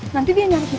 nanti dia nyari kita gak